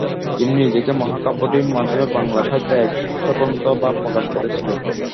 তিনি নিজেকে মহাকাব্যটির মাধ্যমে বাংলা সাহিত্যে এক স্বতন্ত্রভাব প্রকাশ করেছিলেন।